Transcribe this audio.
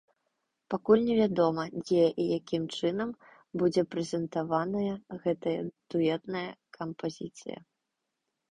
Пакуль невядома, дзе і якім чынам будзе прэзентаваная гэтая дуэтная кампазіцыя.